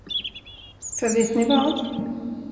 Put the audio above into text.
För vet ni vad?